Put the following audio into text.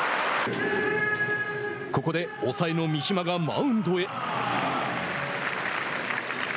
ここで抑えの三嶋がマウンドへ。